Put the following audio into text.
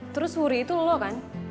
terus huri itu lo kan